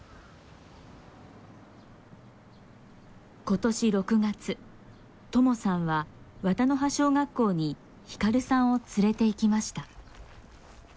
今年６月ともさんは渡波小学校にひかるさんを連れていきました。